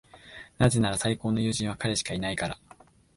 なぜなら、最高の友人は彼しかいないから。